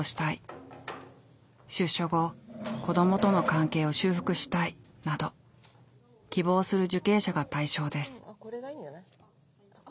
「出所後子どもとの関係を修復したい」など希望する受刑者が対象です。